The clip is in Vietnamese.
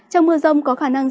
trong mưa rông có khả năng